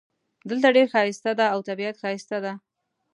دلته ډېر ښایست ده او طبیعت ښایسته ده